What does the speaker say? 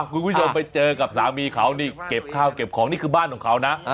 คุณผู้ชมไปเจอกับสามีเขานี่เก็บข้าวเก็บของนี่คือบ้านของเขานะ